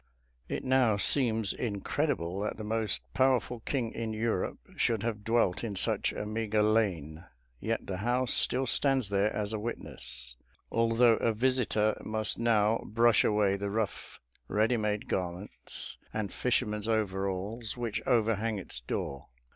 It now seems incredible that the most powerful king in Europe should have dwelt in such a meagre lane, yet the house still stands there as a witness; although a visitor must now brush away the rough, ready made garments and fishermen's overalls which overhang its door.